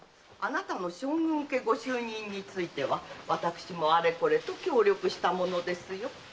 あなたの将軍家ご就任については私もあれこれと協力したものですよ。